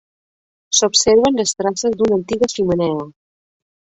S'observen les traces d'una antiga xemeneia.